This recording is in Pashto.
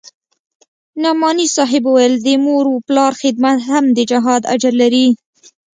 نعماني صاحب وويل د مور و پلار خدمت هم د جهاد اجر لري.